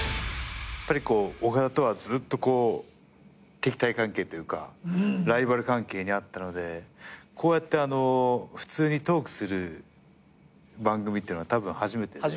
やっぱりオカダとはずっと敵対関係というかライバル関係にあったのでこうやって普通にトークする番組っていうのはたぶん初めて。